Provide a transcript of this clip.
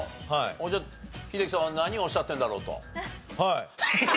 じゃあ英樹さんは何をおっしゃってるんだろうと？